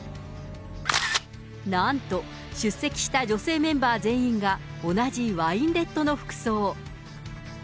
なんと、出席した女性メンバー全員が、同じワインレッドの服装。